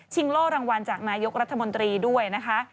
โล่รางวัลจากนายกรัฐมนตรีด้วยนะคะ